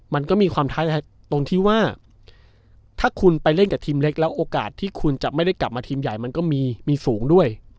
มันก็มีความท้ายตรงที่ว่าถ้าคุณไปเล่นกับทีมเล็กแล้วโอกาสที่คุณจะไม่ได้กลับมาทีมใหญ่มันก็มีฝูงด้วย